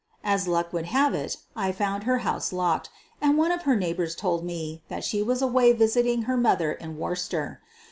As luck would have it, I found her house locked, and one of her neighbors told me that she was away visiting her mother in "Worcester.